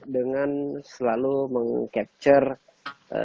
dengan selalu meng capture